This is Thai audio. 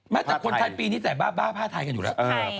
แต่คนไทยปีนี้ใส่บ้าบ้าผ้าไทยกันอยู่แล้ว